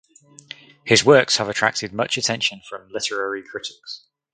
His works have attracted much attention from literary critics.